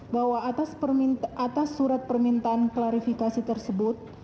bahwa atas surat permintaan klarifikasi tersebut